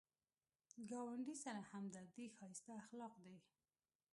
ګاونډي سره همدردي ښایسته اخلاق دي